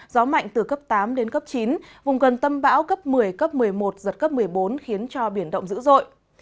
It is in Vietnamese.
gió mạnh từ cấp tám đến cấp chín vùng gần tâm bão cấp một mươi cấp một mươi một giật cấp một mươi bốn khiến cho biển động dữ dội